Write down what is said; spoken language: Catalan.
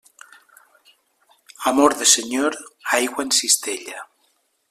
Amor de senyor, aigua en cistella.